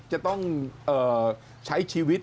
จะต้องใช้ชีวิต